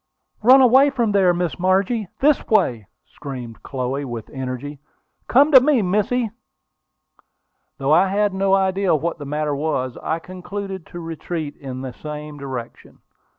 "Run away from there, Miss Margie! This way!" screamed Chloe, with energy. "Come to me, missy!" Though I had no idea what the matter was, I concluded to retreat in the same direction.